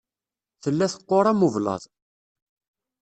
Tella teqqur am ublaḍ.